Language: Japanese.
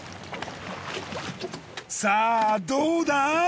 さあどうだ！？